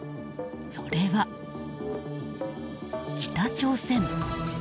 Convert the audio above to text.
それは、北朝鮮。